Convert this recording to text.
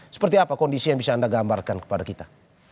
seperti apa kondisi yang bisa anda gambarkan kepada kita